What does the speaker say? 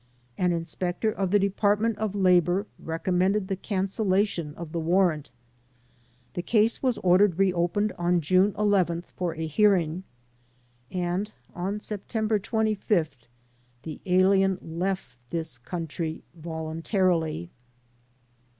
An inspector of the Department of Labor recommended the cancellation of the warrant. The case was ordered reopened on June 11th for a hearing and on September 25th the alien left this coun try voluntarily.